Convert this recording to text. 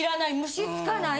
虫つかない。